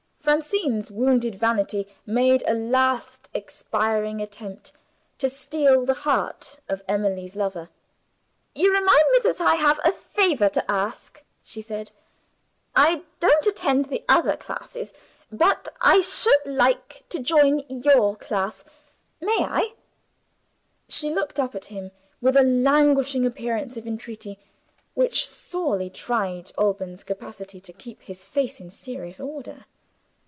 Francine's wounded vanity made a last expiring attempt to steal the heart of Emily's lover. "You remind me that I have a favor to ask," she said. "I don't attend the other classes but I should so like to join your class! May I?" She looked up at him with a languishing appearance of entreaty which sorely tried Alban's capacity to keep his face in serious order.